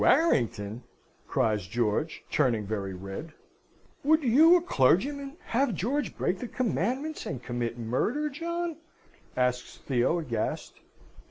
Warrington!" cries George, turning very red. "Would you, a clergyman, have George break the Commandments, and commit murder, John?" asks Theo, aghast.